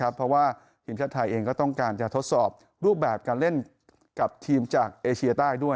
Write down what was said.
เพราะว่าทีมชาติไทยเองก็ต้องการจะทดสอบรูปแบบการเล่นกับทีมจากเอเชียใต้ด้วย